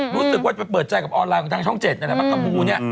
รู้สึกว่าเป็นเปิดใจกับออนไลน์ของช่องเจศและปรากฏบูล